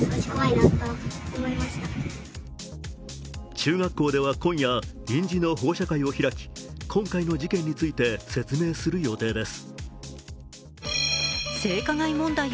中学校では今夜、臨時の保護者会を開き今回の事件について説明する予定です。